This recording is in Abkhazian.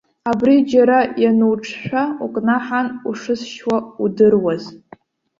Абри џьара иануҿшәа, укнаҳан ушысшьуа удыруаз.